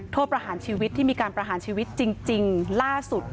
โทษประหารชีวิตที่มีการประหารชีวิตจริงล่าสุด